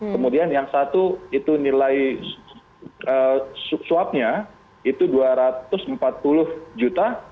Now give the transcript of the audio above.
kemudian yang satu itu nilai suapnya itu dua ratus empat puluh juta